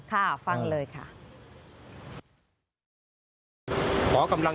ค่ะฟังเลยค่ะ